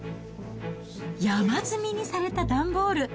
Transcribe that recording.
山積みにされた段ボール。